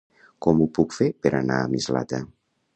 Com ho puc fer per anar a Mislata?